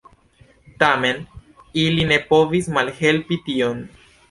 Tamen ili ne povis malhelpi tion.